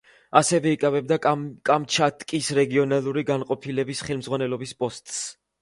ასევე იკავებდა კამჩატკის რეგიონალური განყოფილების ხელმძღვანელის პოსტს.